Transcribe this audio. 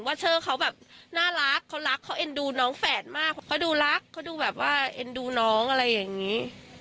เชอร์เขาแบบน่ารักเขารักเขาเอ็นดูน้องแฝดมากเพราะเขาดูรักเขาดูแบบว่าเอ็นดูน้องอะไรอย่างนี้